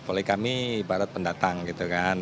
oleh kami ibarat pendatang gitu kan